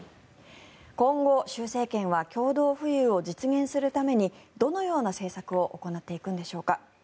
今後、習政権は共同富裕を実現するためにどのような政策を行っていくのでしょうか。